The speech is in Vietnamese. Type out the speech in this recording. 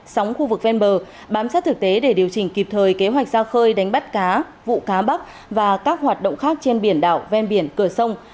sống khu vực ven bờ bám sát thực tế để điều chỉnh kịp thời kế hoạch ra khơi đánh bắt cá vụ cá bắp và các hoạt động khác trên biển đảo ven biển cửa sông